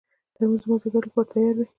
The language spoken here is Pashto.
ترموز د مازدیګر لپاره تیار وي.